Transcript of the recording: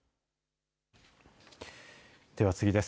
では次です。